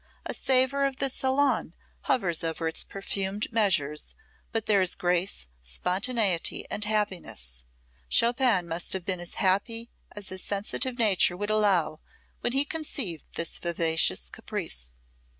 A savor of the salon hovers over its perfumed measures, but there is grace, spontaneity and happiness. Chopin must have been as happy as his sensitive nature would allow when he conceived this vivacious caprice.